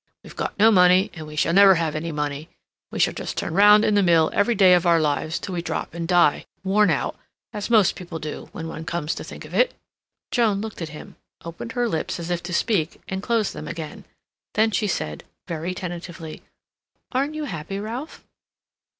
We've got no money and we never shall have any money. We shall just turn round in the mill every day of our lives until we drop and die, worn out, as most people do, when one comes to think of it." Joan looked at him, opened her lips as if to speak, and closed them again. Then she said, very tentatively: "Aren't you happy, Ralph?"